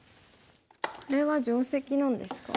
これは定石なんですか？